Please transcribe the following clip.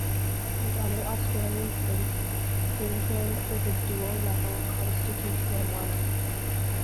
Like the other Australian states, Queensland is a dual-level constitutional monarchy.